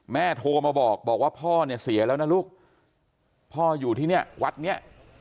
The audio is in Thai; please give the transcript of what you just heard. โทรมาบอกบอกว่าพ่อเนี่ยเสียแล้วนะลูกพ่ออยู่ที่เนี่ยวัดเนี้ย